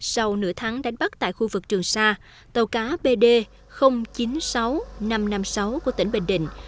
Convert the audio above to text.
sau nửa tháng đánh bắt tại khu vực trường sa tàu cá bd chín mươi sáu năm trăm năm mươi sáu của tỉnh bình định